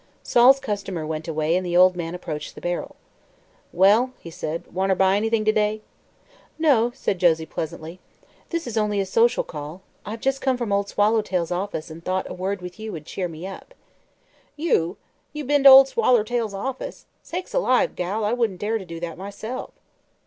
Sol's customer went away and the old man approached the barrel. "Well," he said, "wanter buy anything to day?" "No," said Josie pleasantly, "this is only a social call. I've just come from Old Swallow tail's office and thought a word with you would cheer me up." "You! You be'n to Ol' Swallertail's office! Sakes alive, gal, I wouldn't dare do that myself."